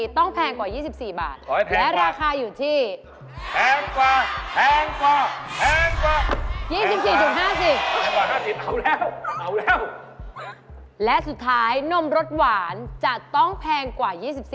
เท่าไรครับ